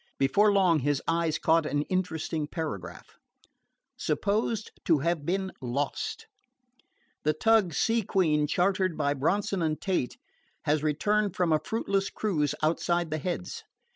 Before long his eyes caught an interesting paragraph: SUPPOSED TO HAVE BEEN LOST The tug Sea Queen, chartered by Bronson & Tate, has returned from a fruitless cruise outside the Heads.